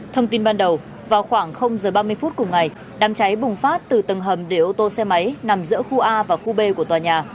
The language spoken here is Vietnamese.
thông tin ban đầu vào khoảng giờ ba mươi phút cùng ngày đám cháy bùng phát từ tầng hầm để ô tô xe máy nằm giữa khu a và khu b của tòa nhà